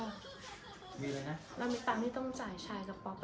เรามีเงินใดที่ต้องเฉ่งกับชายกับป๊อปต้องก็